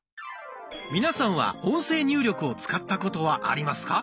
皆さんは「音声入力」を使ったことはありますか？